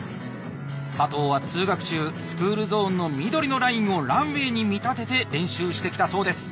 佐藤は通学中スクールゾーンの緑のラインをランウェイに見立てて練習してきたそうです。